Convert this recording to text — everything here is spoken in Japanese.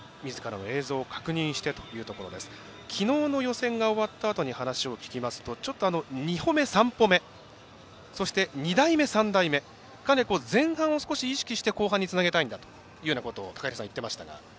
きのうの予選が終わったあとに話を聞きますと２歩目、３歩目そして２台目、３台目前半、意識して後半につなげたいということを高平さん、言ってましたが。